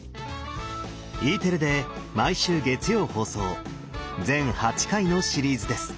Ｅテレで毎週月曜放送全８回のシリーズです。